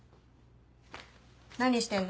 何してんの？